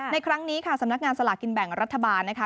ในครั้งนี้ค่ะสำนักงานสลากินแบ่งรัฐบาลนะคะ